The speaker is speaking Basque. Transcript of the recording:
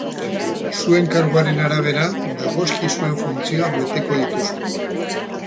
Zuen karguaren arabera dagozkizuen funtzioak beteko dituzue.